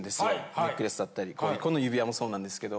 ネックレスだったりこの指輪もそうなんですけど。